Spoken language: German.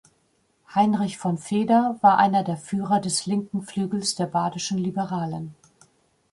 Heinrich von Feder war einer der Führer des linken Flügels der badischen Liberalen.